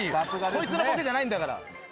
こいつのボケじゃないんだから。